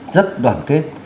rất đoàn kết